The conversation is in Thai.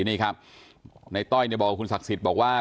นายต้อยบอกว่าคุณศักดิ์สิทธิ์บอกว่า